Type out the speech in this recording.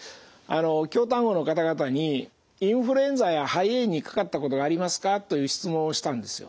京丹後の方々にインフルエンザや肺炎にかかったことがありますかという質問をしたんですよ。